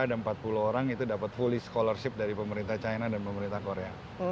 dan empat puluh orang itu dapat fully scholarship dari pemerintah china dan pemerintah korea